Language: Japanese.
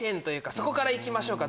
そこから行きましょうか。